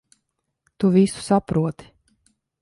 Tu visu saproti.